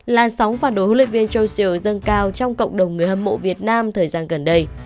làn sóng phản đối huấn luyện viên châu siêu dâng cao trong cộng đồng người hâm mộ việt nam thời gian gần đây